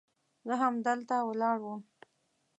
زه همدلته ولاړ وم.